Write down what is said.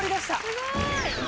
すごーい！